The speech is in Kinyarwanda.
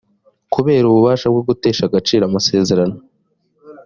kubera ububasha bwo gutesha agaciro amasezerano